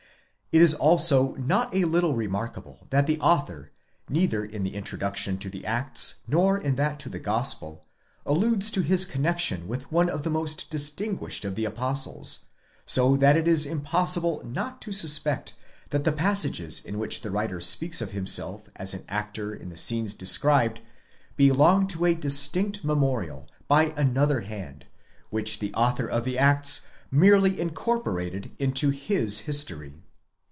It is also not a little remarkable that the author, neither in the introduction to the Acts, nor in that to the Gospel, alludes to his connexion with one of the most distinguished of the Apostles, so that it is impossible not to suspect that the passages in which the writer speaks of himself as an actor in the scenes described, belong to a distinct memorial by another hand, which the author of the Acts has merely incorporated into his history.